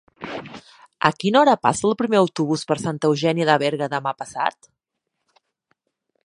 A quina hora passa el primer autobús per Santa Eugènia de Berga demà passat?